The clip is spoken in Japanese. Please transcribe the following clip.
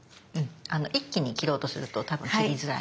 一気に切ろうとすると多分切りづらい。